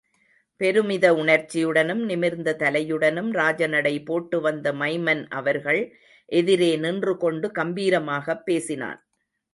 பெருமித உணர்ச்சியுடனும், நிமிர்ந்த தலையுடனும், ராஜநடை போட்டு வந்த மைமன் அவர்கள் எதிரே நின்று கொண்டு கம்பீரமாகப் பேசினான்.